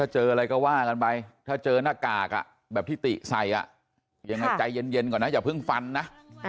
ใจเย็นก่อนนะอย่าเพิ่งฟันนะ